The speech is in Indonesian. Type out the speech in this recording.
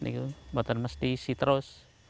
tidak harus isi terus